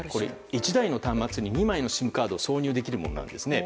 １台の端末に２枚のＳＩＭカードを挿入するものです。